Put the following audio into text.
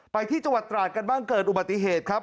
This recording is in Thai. ไปที่จังหวัดตราดกันบ้างเกิดอุบัติเหตุครับ